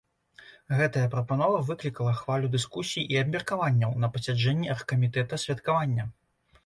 Гэтая прапанова выклікала хвалю дыскусій і абмеркаванняў на пасяджэнні аргкамітэта святкавання.